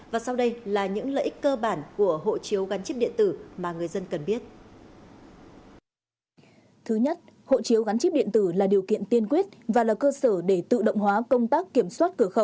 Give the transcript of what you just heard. và sau đây là những lợi ích cơ bản của hộ chiếu gắn chip điện tử mà người dân cần biết